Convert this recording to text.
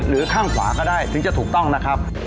ข้างขวาก็ได้ถึงจะถูกต้องนะครับ